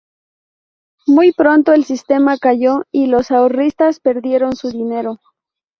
Muy pronto el sistema cayó y los ahorristas perdieron su dinero.